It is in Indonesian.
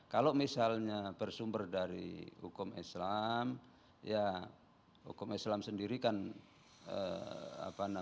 kalau misalnya bersumber dari hukum islam ya hukum islam sendiri kan apa namanya